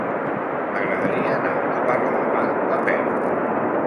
M'agradaria anar a Parlavà a peu.